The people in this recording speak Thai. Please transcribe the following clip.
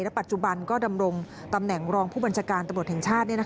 ปัจจุบันก็ดำรงตำแหน่งรองผู้บัญชาการตำรวจแห่งชาติ